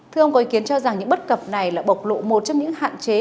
thưa ông có ý kiến cho rằng những bất cập này là bộc lộ một trong những hạn chế